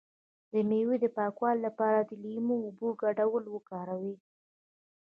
د میوو د پاکوالي لپاره د لیمو او اوبو ګډول وکاروئ